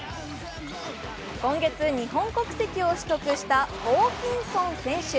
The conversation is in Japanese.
今月、日本国籍を取得したホーキンソン選手。